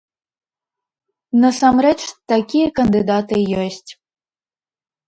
Насамрэч, такія кандыдаты ёсць.